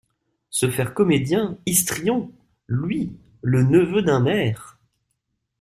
Se faire comédien, histrion ! lui, le neveu d’un maire !…